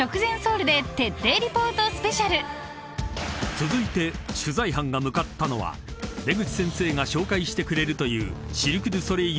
［続いて取材班が向かったのは出口先生が紹介してくれるというシルク・ドゥ・ソレイユ